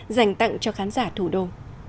dành tặng cho khán giả thủ đô